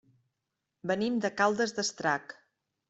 Venim de Caldes d'Estrac.